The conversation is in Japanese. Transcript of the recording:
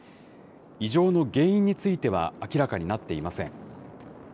異常の原因については明らかになっていません。